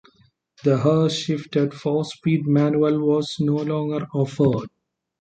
The Hurst-shifted four-speed manual was no longer offered.